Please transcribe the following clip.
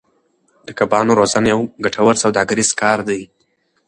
د کبانو روزنه یو ګټور سوداګریز کار دی.